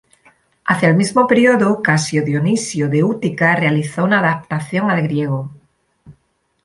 Hacia el mismo periodo, Casio Dionisio de Útica realizó una adaptación al griego.